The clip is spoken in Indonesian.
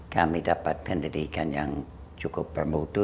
kami dapat pendidikan yang cukup bermutu